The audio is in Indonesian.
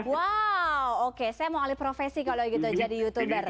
wow oke saya mau alih profesi kalau gitu jadi youtuber